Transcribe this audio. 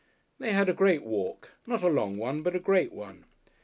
They had a great walk, not a long one, but a great one.